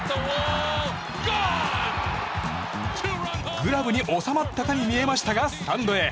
グラブに収まったかに見えましたがスタンドへ。